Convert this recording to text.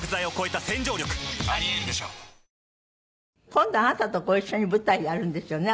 今度あなたとご一緒に舞台やるんですよね